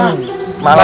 malem apa siang